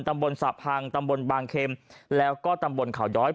ตำบลสระพังตำบลบางเข็มแล้วก็ตำบลเขาย้อย